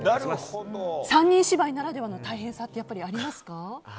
３人芝居ならではの大変さってありますか。